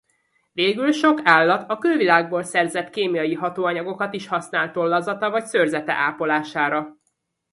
Végül sok állat a külvilágból szerzett kémiai hatóanyagokat is használ tollazata vagy szőrzete ápolására.